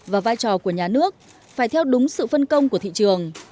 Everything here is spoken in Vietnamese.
và vai trò của nhà nước phải theo đúng sự phân công của thị trường